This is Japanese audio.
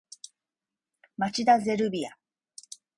町田ゼルビア